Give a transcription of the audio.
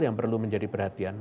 yang menjadi perhatian